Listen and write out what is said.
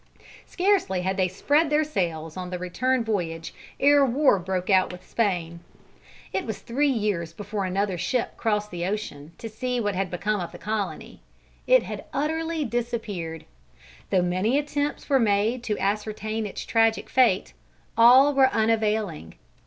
Scarcely had they spread their sails on the return voyage ere war broke out with Spain. It was three years before another ship crossed the ocean, to see what had become of the colony. It had utterly disappeared. Though many attempts were made to ascertain its tragic fate, all were unavailing.